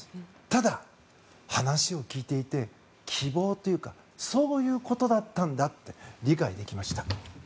ただ、話を聞いていて希望というかそういうことだったんだって理解できました。